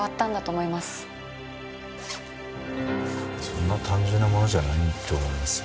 そんな単純なものじゃないと思いますよ。